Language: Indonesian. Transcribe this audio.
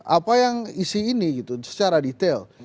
apa yang isi ini gitu secara detail